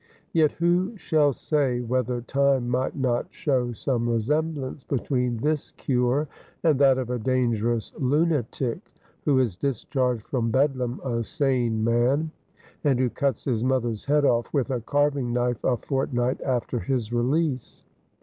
Yet who shall say whether time might not show some resemblance between this cure and that of a dangerous lunatic, who is discharged from Bedlam a sane man, and who cuts his mother's head off with a carving knife a fortnight after his release